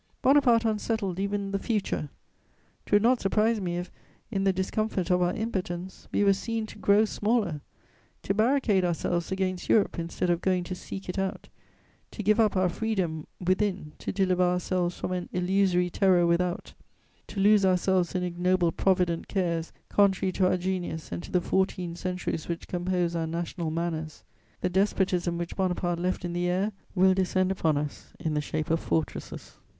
Bonaparte unsettled even the future: 'twould not surprise me if, in the discomfort of our impotence, we were seen to grow smaller, to barricade ourselves against Europe instead of going to seek it out, to give up our freedom within to deliver ourselves from an illusory terror without, to lose ourselves in ignoble provident cares, contrary to our genius and to the fourteen centuries which compose our national manners. The despotism which Bonaparte left in the air will descend upon us in the shape of fortresses.